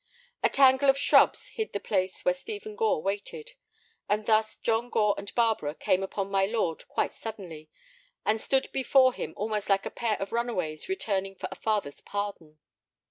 A tangle of shrubs hid the place where Stephen Gore waited. And thus John Gore and Barbara came upon my lord quite suddenly, and stood before him almost like a pair of runaways returning for a father's pardon.